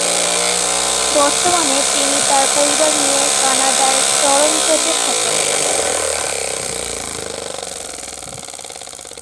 বর্তমানে তিনি তার পরিবার নিয়ে কানাডার টরন্টোতে থাকেন।